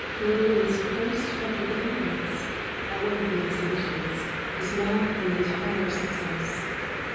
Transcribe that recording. Lillian's first public appearance, at one of the exhibitions, was not an entire success.